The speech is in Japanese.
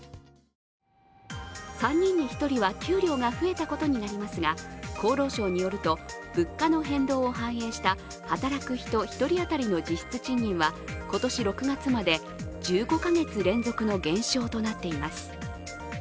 ３人に１人は給料が増えたことになりますが、厚労省によると、物価の変動を反映した働く人１人当たりの実質賃金は今年６月まで、１５か月連続の減少となっています